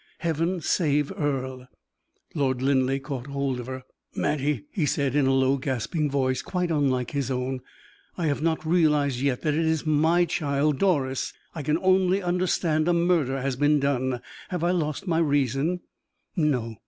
"Heaven save Earle!" Lord Linleigh caught hold of her. "Mattie," he said, in a low, gasping voice, quite unlike his own, "I have not realized yet that it is my child, Doris; I can only understand a murder has been done. Have I lost my reason?" "No.